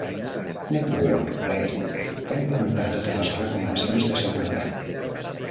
Network Rail va implementar totes les recomanacions de seguretat.